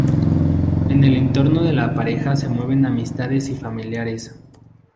En el entorno de la pareja se mueven amistades y familiares.